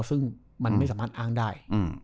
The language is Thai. ซึ่งมันไม่สามารถอ้างได้